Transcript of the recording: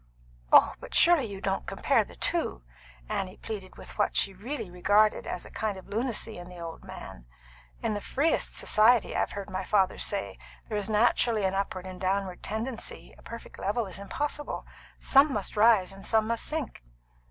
"Oh, but surely you don't compare the two!" Annie pleaded with what she really regarded as a kind of lunacy in the good man. "In the freest society, I've heard my father say, there is naturally an upward and downward tendency; a perfect level is impossible. Some must rise, and some must sink."